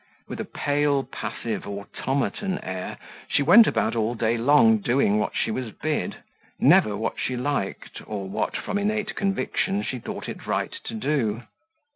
With a pale, passive, automaton air, she went about all day long doing what she was bid; never what she liked, or what, from innate conviction, she thought it right to do.